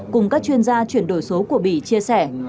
cùng các chuyên gia chuyển đổi số của bỉ chia sẻ